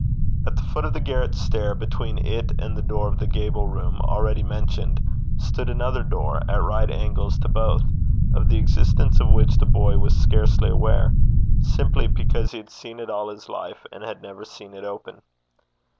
At the foot of the garret stair, between it and the door of the gable room already mentioned, stood another door at right angles to both, of the existence of which the boy was scarcely aware, simply because he had seen it all his life and had never seen it open.